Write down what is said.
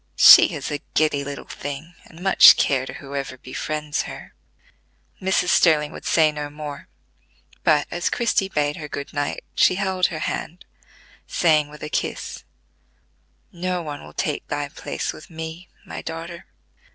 "She is a giddy little thing, and much care to whoever befriends her." Mrs. Sterling would say no more, but, as Christie bade her good night, she held her hand, saying with a kiss: "No one will take thy place with me, my daughter."